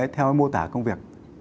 theo mô tả công việc